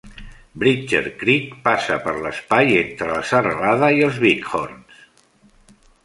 Bridger Creek passa per l'espai entre la serralada i els Bighorns.